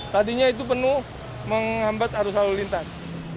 tadinya itu penuh menghambat arus lalu lintas